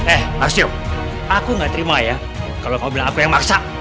eh harus yuk aku gak terima ya kalau kamu bilang aku yang maksa